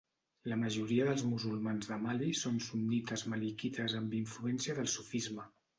La majoria dels musulmans de Mali són sunnites malikites amb influència del sufisme.